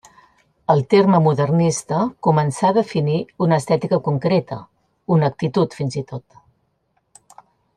El terme Modernista començà definir una estètica concreta, una actitud fins i tot.